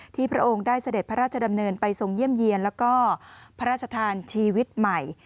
พระองค์ได้เสด็จพระราชดำเนินไปทรงเยี่ยมเยี่ยนแล้วก็พระราชทานชีวิตใหม่